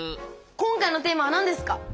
今回のテーマはなんですか？